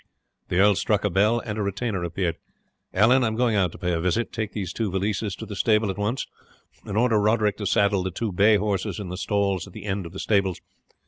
The earl struck a bell, and a retainer appeared. "Allan, I am going out to pay a visit. Take these two valises to the stable at once, and order Roderick to saddle the two bay horses in the stalls at the end of the stables.